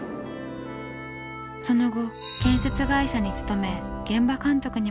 その後建設会社に勤め現場監督にまで出世。